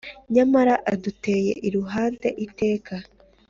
Nyamara adutuye iruhande iteka